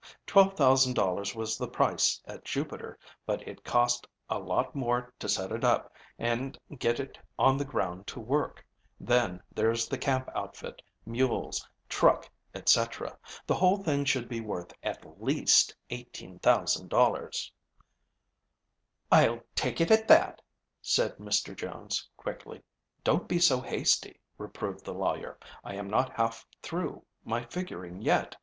Twelve thousand dollars was the price at Jupiter, but it cost a lot more to set it up and get it on the ground to work; then, there's the camp outfit, mules, truck, etc. The whole thing should be worth at least $18,000." "I'll take it at that," said Mr. Jones quickly. "Don't be so hasty," reproved the lawyer. "I am not half through my figuring yet.